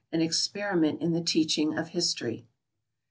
An Experiment in the Teaching of History.